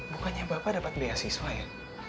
bukannya bapak dapat beasiswa ya